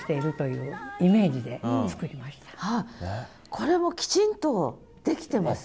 これもきちんとできてます。